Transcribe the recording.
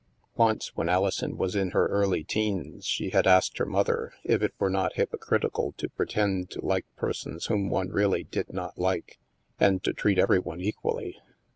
Once, when Alison was in her early teens, she had asked her mother if it were not hypocritical to pre tend to like persons whom one really did not like, and to treat every one equally.